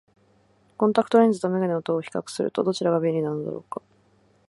コンタクトレンズと眼鏡とを比較すると、どちらが便利なのだろうか。